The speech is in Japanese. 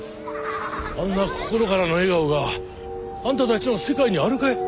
あんな心からの笑顔があんたたちの世界にあるかい？